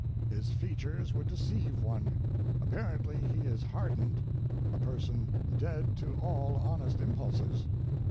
His features would deceive one. Apparently he is hardened a person dead to all honest impulses.